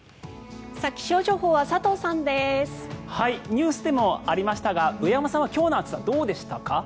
ニュースでもありましたが上山さんは今日の暑さどうでしたか？